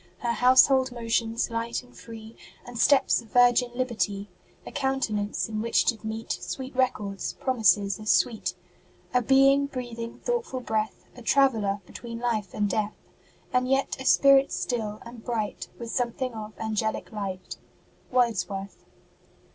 Her household motions, light and free, And steps of Virgin liberty ; A countenance in which did meet Sweet records, promises as sweet ;A Being breathing thoughtful breath, A traveller between life and death And yet a Spirit still, and bright With something of angelic light. WORDSWORTH.